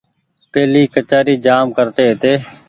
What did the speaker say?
پيهلي ڪچآري جآم ڪرتي هيتي۔